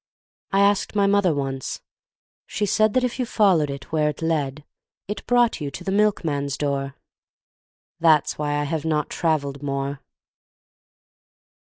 I asked my mother once she said That if you followed where it led It brought you to the milkman's door. (That's why I have not travelled more.)